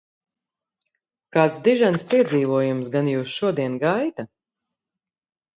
Kāds dižens piedzīvojums gan jūs šodien gaida?